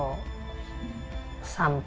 sampai menemukan rena